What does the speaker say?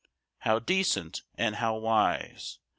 5 How decent and how wise!